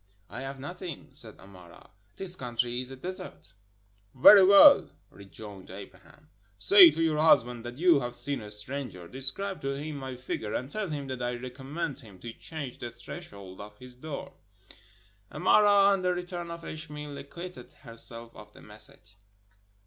"I have nothing," said Amara; "this country is a desert." "Very well," rejoined Abraham, "say to your husband that you have seen a stranger, describe to him my figure and tell him that I recommend him to change the thresh old of his door." Amara, on the return of Ishmael, acquitted herself of the message.